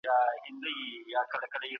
لس توري په عربي ژبه کي اصلي دي.